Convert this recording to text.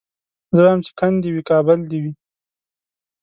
زه وايم چي کند دي وي کابل دي وي